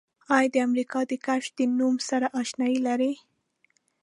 آیا د امریکا د کشف د نوم سره آشنایي لرئ؟